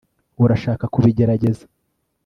urashaka kubigerageza